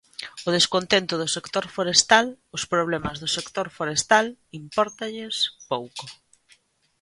O descontento do sector forestal, os problemas do sector forestal, impórtanlles pouco.